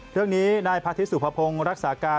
เรื่องนี้นายพระทิตสุภพงศ์รักษาการ